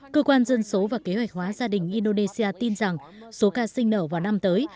cơ quan dân số và kế hoạch hóa gia đình indonesia tin rằng số ca sinh nở vào năm tới